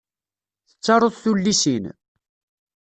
Tettaruḍ tullisin?